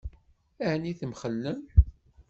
Ɛni temxellem?